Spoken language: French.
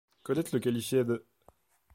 Colette le qualifiait d'.